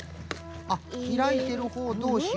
あっひらいてるほうどうしを。